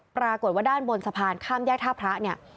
ปรากฏว่าด้านบนสะพานข้ามแยกท่าพระเนี่ย